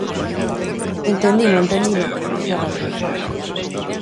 "Entendino, entendino", dixo Raxoi.